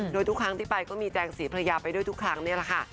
โดยทุกครั้งที่ไปก็มีแจงศรีภรรยาไปด้วยทุกครั้งนี่แหละค่ะ